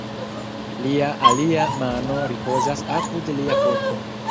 Lia alia mano ripozas apud lia korpo.